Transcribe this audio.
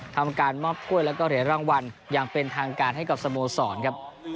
ทำการมอบถ้วยแล้วก็เหรียญรางวัลอย่างเป็นทางการให้กับสโมสรครับ